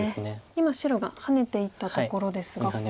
今白がハネていったところですが。